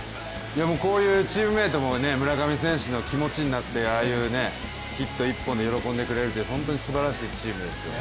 こういうチームメートも村上選手の気持ちになってああいうヒット１本で喜んでくれるって本当にすばらしいチームですね。